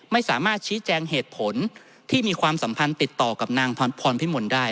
ไม่สามารถชี้แจงเหตุผลที่มีความสัมพันธ์ติดต่อกับนางพรพิมลได้